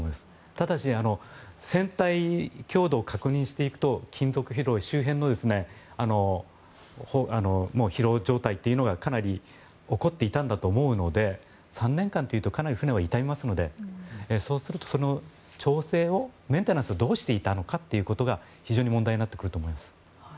ただし船体強度を確認していくと金属疲労、周辺の疲労状態というのがかなり起こっていたんだと思うので３年間というとかなり船は傷みますのでそうすると、その調整をメンテナンスをどうしていたのかということが非常に問題になってくると思います。